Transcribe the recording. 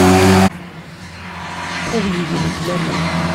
Ad yeg deg-k laman.